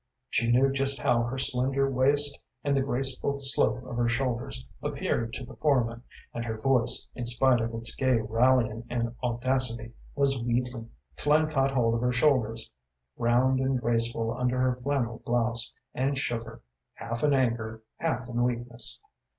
She knew just how her slender waist and the graceful slope of her shoulders appeared to the foreman, and her voice, in spite of its gay rallying and audacity, was wheedling. Flynn caught hold of her shoulders, round and graceful under her flannel blouse, and shook her, half in anger, half in weakness.